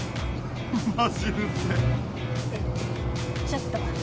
ちょっと。